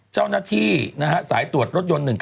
เจ้าหน้าที่สายตรวจรถยนต์๑๙